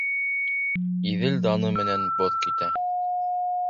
Иҙел даны менән боҙ китә